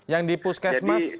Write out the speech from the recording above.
yang di puskesmas